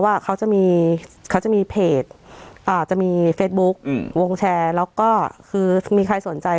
ว่าเขาจะมีเขาจะมีเพจจะมีเฟซบุ๊กวงแชร์แล้วก็คือมีใครสนใจ